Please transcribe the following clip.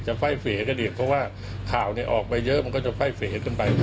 ไฟ่เฟกันอีกเพราะว่าข่าวออกไปเยอะมันก็จะไฟ่เฟกันไป